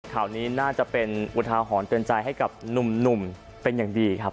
ข่าวนี้น่าจะเป็นอุทาหรณ์เตือนใจให้กับหนุ่มเป็นอย่างดีครับ